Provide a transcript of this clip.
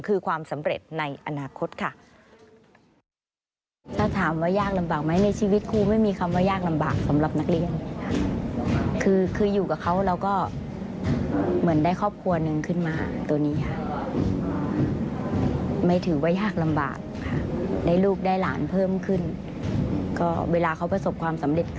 คือความสำเร็จในอนาคตค่ะ